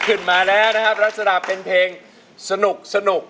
ขึ้นมาแล้วนะครับลักษณะเป็นเพลงสนุก